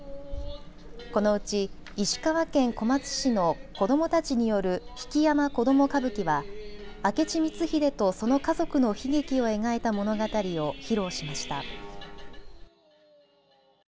このうち石川県小松市の子どもたちによる曳山子供歌舞伎は明智光秀とその家族の悲劇を描いた物語を披露しました。